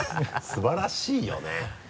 素晴らしいよね。